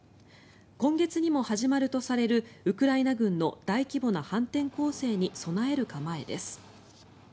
今月にも始まるとされるウクライナ軍の大規模な反転攻勢に備える構えです。